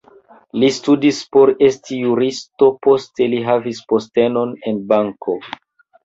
Li studis por esti juristo, poste li havis postenon en banko.